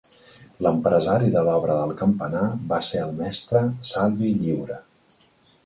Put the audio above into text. L'empresari de l'obra del campanar va ser el mestre Salvi Lliura.